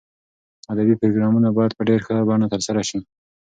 ادبي پروګرامونه باید په ډېر ښه بڼه ترسره شي.